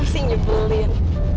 lo sih nyebulin